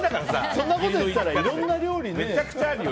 そんなこと言ったらいろんな料理いっぱいあるよ。